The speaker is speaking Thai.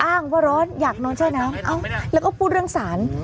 อ้างว่าร้อนอยากนอนแช่น้ำเอ้าแล้วก็พูดเรื่องสาร